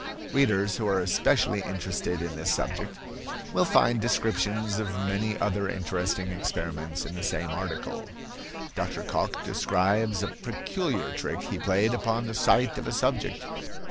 Readers who are especially interested in this subject will find descriptions of many other interesting experiments in the same article. Dr. Cocke describes a peculiar trick he played upon the sight of a subject.